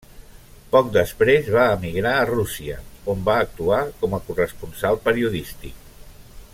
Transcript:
Poc després, va emigrar a Rússia on va actuar com a corresponsal periodístic.